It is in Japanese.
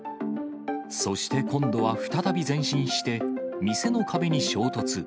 そして今度は再び前進して、店の壁に衝突。